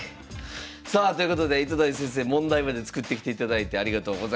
さあということで糸谷先生問題まで作ってきていただいてありがとうございました。